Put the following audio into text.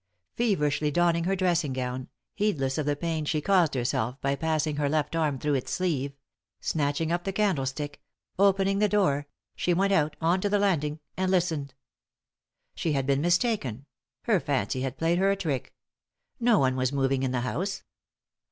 Feverishly donning her dressing gown, heedless of the pain she caused herself by passing her left arm through its sleeve ; snatching up the candlestick; opening the door; she went out, on to the landing — and listened. She had been mistaken ; her fancy had played her a trick ; no one was moving in the house.